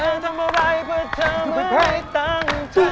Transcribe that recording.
ได้ทำอะไรเพื่อเธอไม่ตั้งกา